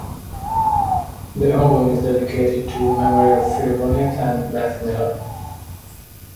The album is dedicated to the memory of Phil Bonnet and Beth Miller.